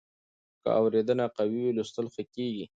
که اورېدنه قوي وي، لوستل ښه کېږي.